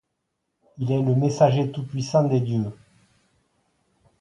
Il est le messager tout puissant des dieux.